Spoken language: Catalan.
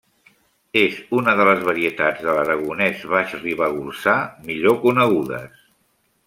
És una de les varietats de l'Aragonès Baix-Ribagorçà millor conegudes.